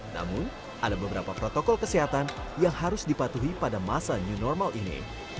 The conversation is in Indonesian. namun ada beberapa protokol kesehatan yang harus dipatuhi pada masa new normal ini